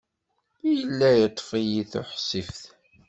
Yella yeṭṭef-iyi tuḥsift.